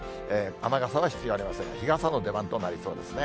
雨傘は必要ありませんが、日傘の出番となりそうですね。